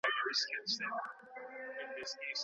ولي زیارکښ کس د ذهین سړي په پرتله ژر بریالی کېږي؟